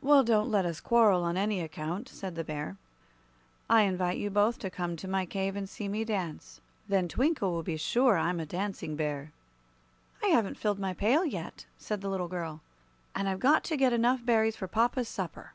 "Well, don't let us quarrel, on any account," said the Bear. "I invite you both to come to my cave and see me dance. Then Twinkle will be sure I'm a Dancing Bear." "I haven't filled my pail yet," said the little girl, "and I've got to get enough berries for papa's supper."